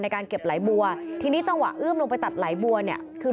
การเก็บไหลบัวทีนี้จังหวะเอื้อมลงไปตัดไหลบัวเนี่ยคือ